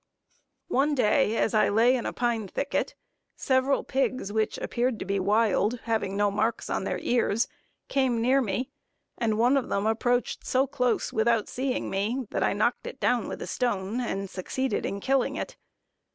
One day as I lay in a pine thicket, several pigs which appeared to be wild, having no marks on their ears, came near me, and one of them approached so close without seeing me, that I knocked it down with a stone, and succeeded in killing it.